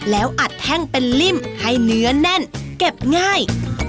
แล้วอัดแท่งเป็นริ่มให้เนื้อแน่นเก็บง่าย